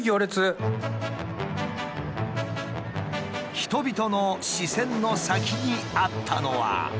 人々の視線の先にあったのは。